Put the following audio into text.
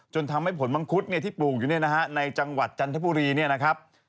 จนทำให้ผลมังคุณที่ปูงอยู่ในจังหวัดจันทบุรีเนี่ยนะครับ